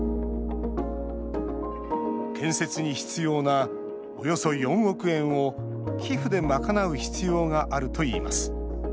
建設に必要な、およそ４億円を寄付で賄う必要があるといいます。